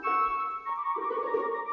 ya ya gak